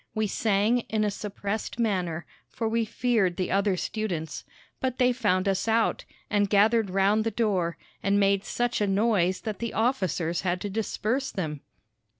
We sang in a suppressed manner, for we feared the other students. But they found us out, and gathered round the door, and made such a noise that the officers had to disperse them.